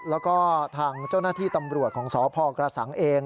แล้วก็ทางเจ้าหน้าที่ตำรวจของสพกระสังเอง